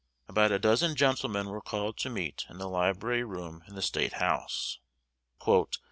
About a dozen gentlemen were called to meet in the Library Room in the State House.